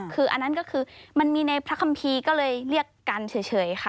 คืออันนั้นก็คือมันมีในพระคัมภีร์ก็เลยเรียกกันเฉยค่ะ